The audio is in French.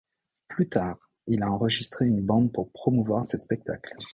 Plus tard, il a enregistré une bande pour promouvoir ses spectacles.